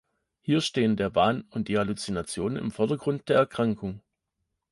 Hier stehen der Wahn und die Halluzinationen im Vordergrund der Erkrankung.